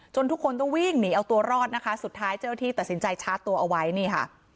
ทุกคนต้องวิ่งหนีเอาตัวรอดนะคะสุดท้ายเจ้าที่ตัดสินใจชาร์จตัวเอาไว้นี่ค่ะ